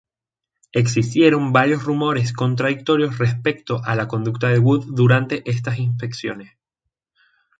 Existieron varios rumores contradictorios respecto a la conducta de Wood durante estas inspecciones.